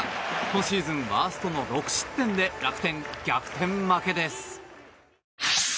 今シーズンワーストの６失点で楽天、逆転負けです。